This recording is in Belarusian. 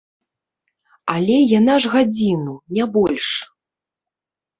Але яна ж гадзіну, не больш.